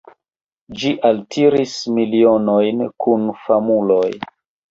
Ĝi altiris milionojn kun famuloj.